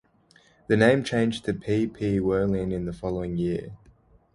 The name changed to P. P. Werlein the following year.